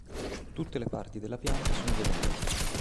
Tutte le parti della pianta sono velenose.